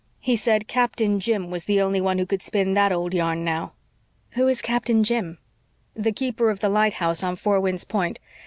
"He said Captain Jim was the only one who could spin that old yarn now." "Who is Captain Jim?" "The keeper of the lighthouse on Four Winds Point.